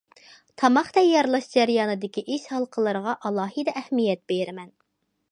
تاماق تەييارلاش جەريانىدىكى ئىش ھالقىلىرىغا ئالاھىدە ئەھمىيەت بېرىمەن.